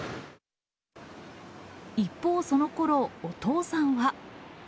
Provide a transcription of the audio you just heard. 一方そのころ、お父さんは。